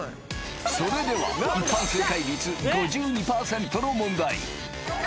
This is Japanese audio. それでは一般正解率５２％の問題